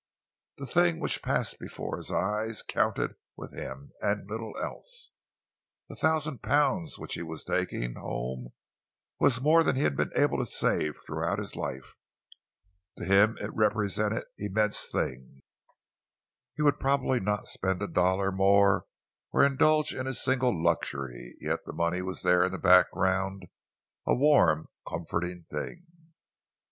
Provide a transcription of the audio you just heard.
The things which passed before his eyes counted with him, and little else. The thousand pounds which he was taking home was more than he had been able to save throughout his life. To him it represented immense things. He would probably not spend a dollar more, or indulge in a single luxury, yet the money was there in the background, a warm, comforting thing.